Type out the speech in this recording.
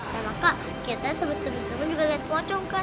nah maka kita sebetul betul juga liat pocong kak